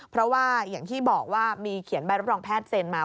เพราะว่าอย่างที่บอกว่ามีเขียนใบรับรองแพทย์เซ็นมา